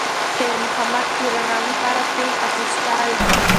خیر محمد د رڼا لپاره تېل اخیستل.